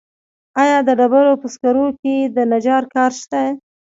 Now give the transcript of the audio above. آیا د ډبرو په سکرو کې د نجار کار شته